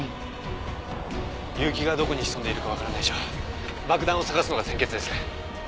結城がどこに潜んでいるかわからない以上爆弾を捜すのが先決です。